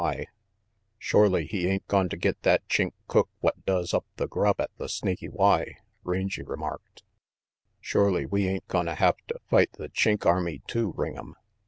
RANGY PETE "Shorely he ain't gone to get that Chink cook what doses up the grub at the Snaky Y, w Rangy remarked. "Shorely we ain't gonna have to fight the Chink army too, Ring'em.